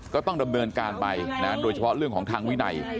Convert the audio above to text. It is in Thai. ก็ต้องดำเนินการไปนะโดยเฉพาะเรื่องของทางวินัย